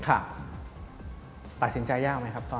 ตัดสินใจยากไหมครับ